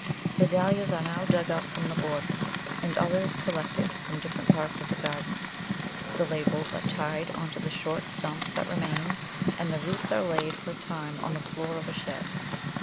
The Dahlias are now dug up from the border, and others collected from different parts of the garden. The labels are tied on to the short stumps that remain, and the roots are laid for a time on the floor of a shed.